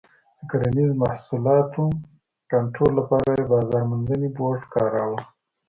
د کرنیزو محصولاتو کنټرول لپاره یې بازار موندنې بورډ کاراوه.